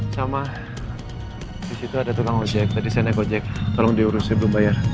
sama disitu ada tulang ojek tadi saya naik ojek tolong diurus sebelum bayar